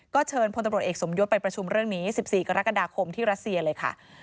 เชิญพลตำรวจเอกสมยศไปประชุมเรื่องนี้๑๔กรกฎาคมที่รัสเซียเลยค่ะ